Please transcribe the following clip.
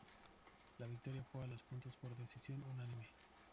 La victoria fue a los puntos por decisión unánime.